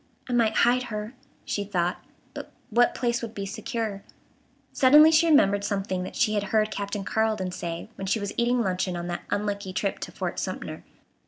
"I might hide her," she thought; but what place would be secure? Suddenly she remembered something that she had heard Captain Carleton say when she was eating luncheon on that unlucky trip to Fort Sumter.